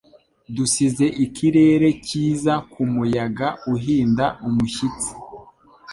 dusize ikirere cyiza kumuyaga uhinda umushyitsi